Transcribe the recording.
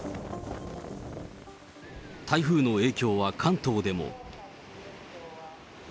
台風の影響は関東でも。